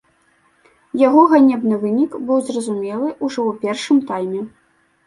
Яго ганебны вынік быў зразумелы ўжо ў першым тайме.